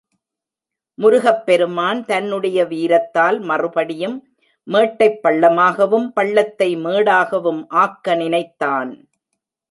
முருகப் பெருமான் தன்னுடைய வீரத்தால் மறுபடியும் மேட்டைப் பள்ளமாகவும், பள்ளத்தை மேடாகவும் ஆக்க நினைத்தான்.